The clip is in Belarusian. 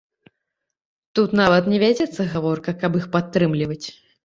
Тут нават не вядзецца гаворка, каб іх падтрымліваць.